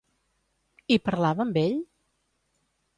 I parlava amb ell?